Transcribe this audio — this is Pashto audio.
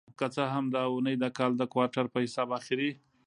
که څه هم دا اونۍ د کال د کوارټر په حساب اخېری